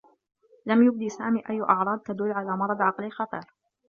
لم يبدِ سامي أيّ أعراض تدلّ على مرض عقليّ خطير.